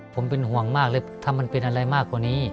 ผมเป็นห่วงมากเลยถ้ามันเป็นอะไรมากกว่านี้